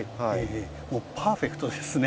もうパーフェクトですね。